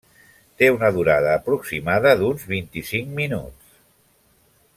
Té una durada aproximada d’uns vint-i-cinc minuts.